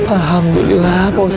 alhamdulillah pak ustadz